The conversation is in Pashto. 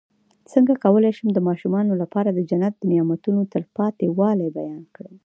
څنګه کولی شم د ماشومانو لپاره د جنت د نعمتو تلپاتې والی بیان کړم